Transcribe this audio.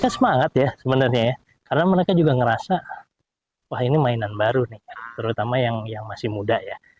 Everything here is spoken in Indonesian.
semangat ya sebenarnya ya karena mereka juga ngerasa wah ini mainan baru nih terutama yang masih muda ya